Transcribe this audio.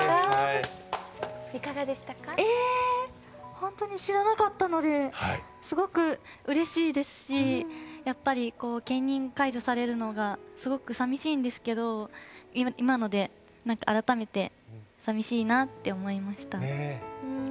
本当に知らなかったのですごくうれしいですしやっぱり兼任解除されるのがすごくさみしいんですけど今ので改めてさみしいなって思いました。